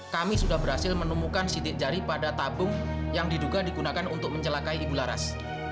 kami sudah berhasil menemukan sitik jari pada tabung yang diduga digunakan untuk mencelakai ibu laras